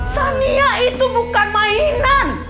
sania itu bukan mainan